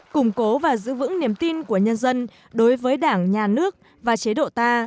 củng cố và giữ vững niềm tin của nhân dân đối với đảng nhà nước và chế độ ta